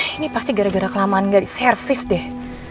ini pasti gara gara kelamaan gak di servis deh